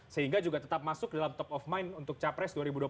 sehingga juga tetap masuk dalam top of mind untuk capres dua ribu dua puluh